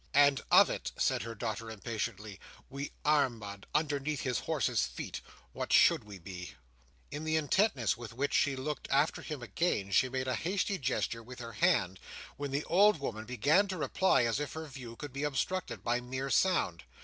"And of it," said her daughter impatiently. "We are mud, underneath his horse's feet. What should we be?" In the intentness with which she looked after him again, she made a hasty gesture with her hand when the old woman began to reply, as if her view could be obstructed by mere sound.